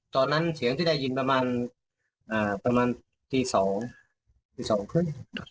ตอนนั้นเสียงที่ได้ยินประมาณอ่าประมาณที่สองที่สองครึ่ง